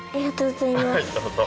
はいどうぞ。